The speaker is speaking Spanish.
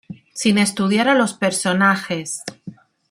Sin estudiar a los personajes.